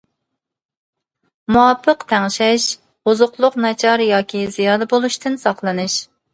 مۇۋاپىق تەڭشەش، ئوزۇقلۇق ناچار ياكى زىيادە بولۇشتىن ساقلىنىش.